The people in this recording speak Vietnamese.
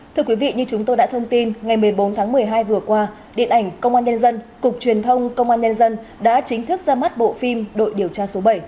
thưa quý vị như chúng tôi đã thông tin ngày một mươi bốn tháng một mươi hai vừa qua điện ảnh công an nhân dân cục truyền thông công an nhân dân đã chính thức ra mắt bộ phim đội điều tra số bảy